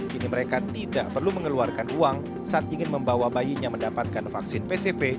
kini mereka tidak perlu mengeluarkan uang saat ingin membawa bayinya mendapatkan vaksin pcv